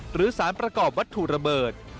หรือสารประกอบวัตถุระเบิด